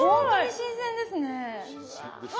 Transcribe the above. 新鮮ですよ。